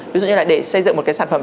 ví dụ như là để xây dựng một cái sản phẩm